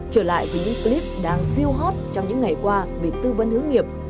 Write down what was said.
trở lại thì những clip đang siêu hot trong những ngày qua về tư vấn hướng nghiệp